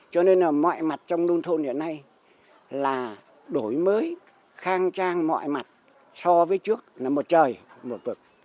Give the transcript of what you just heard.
cho nên là mọi mặt trong nông thôn hiện nay là đổi mới khang trang mọi mặt so với trước là một trời một vực